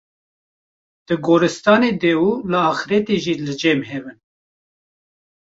di gorîstanê de û li axîretê jî li cem hev in.